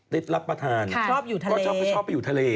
ติ๊กรับประธานชอบอยู่ทะเล